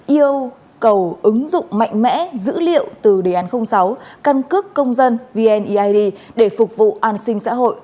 yêu cầu ứng dụng mạnh mẽ dữ liệu từ đề án sáu căn cước công dân vneid để phục vụ an sinh xã hội